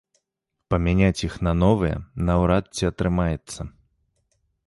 Памяняць іх на новыя наўрад ці атрымаецца.